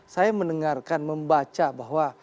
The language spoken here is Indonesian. saya mendengarkan membaca bahwa